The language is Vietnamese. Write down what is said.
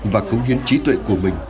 và công hiến trí tuệ của mình